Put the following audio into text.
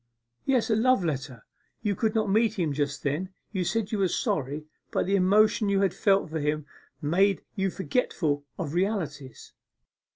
'Yes, a love letter you could not meet him just then, you said you were sorry, but the emotion you had felt with him made you forgetful of realities.